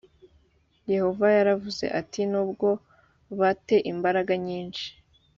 yehova yaravuze ati nubwo ba te imbaraga nyinshi